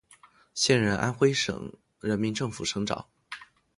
现任安徽省人民政府省长。